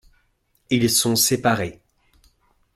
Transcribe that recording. Ils sont séparés.